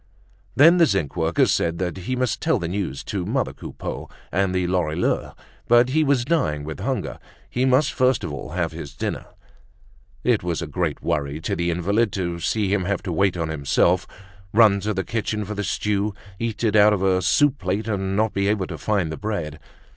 Then the zinc worker said that he must tell the news to mother Coupeau and the Lorilleuxs, but he was dying with hunger, he must first of all have his dinner. It was a great worry to the invalid to see him have to wait on himself, run to the kitchen for the stew, eat it out of a soup plate, and not be able to find the bread.